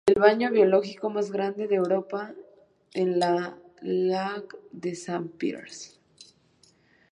El baño biológico más grande de Europa en "lacdessapins.fr"